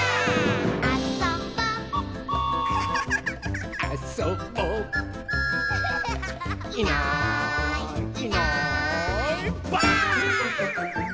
「あそぼ」「あそぼ」「いないいないばあっ！」